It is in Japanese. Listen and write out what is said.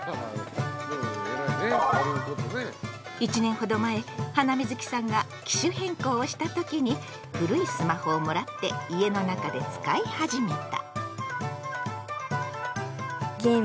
１年ほど前ハナミズキさんが機種変更をした時に古いスマホをもらって家の中で使い始めた。